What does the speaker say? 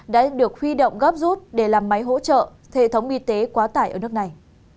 đã được huy động gấp rút để làm máy hỗ trợ hệ thống y tế quá tải ở nước này